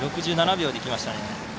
６７秒できましたね。